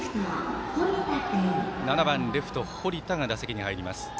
７番レフト、堀田が打席に入ります。